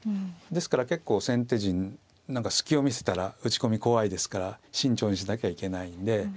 ですから結構先手陣何か隙を見せたら打ち込み怖いですから慎重にしなきゃいけないんで。